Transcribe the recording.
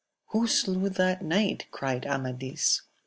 Who slew that knight ? cried Amadis.